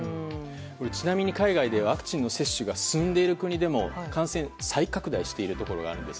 ちなみに海外でワクチンの接種が進んでいる国でも感染再拡大しているところがあるんです。